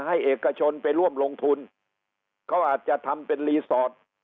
เอกชนไปร่วมลงทุนเขาอาจจะทำเป็นรีสอร์ท